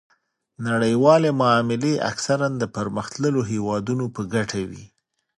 نړیوالې معاملې اکثراً د پرمختللو هیوادونو په ګټه وي